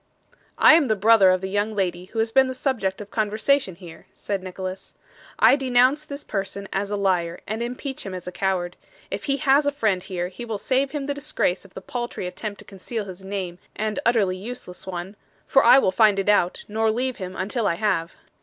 'I am the brother of the young lady who has been the subject of conversation here,' said Nicholas. 'I denounce this person as a liar, and impeach him as a coward. If he has a friend here, he will save him the disgrace of the paltry attempt to conceal his name and utterly useless one for I will find it out, nor leave him until I have.